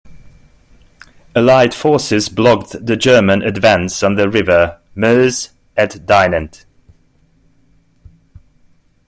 Allied forces blocked the German advance on the river Meuse at Dinant.